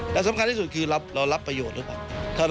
และสำคัญที่สุดคือเรารับประโยชน์หรือเปล่า